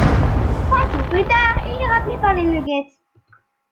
Cinq jours plus tard, il est rappelé par les Nuggets.